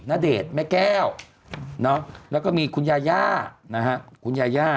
ณเดชน์แม่แก้วแล้วก็มีคุณยาย่านะฮะคุณยาย่า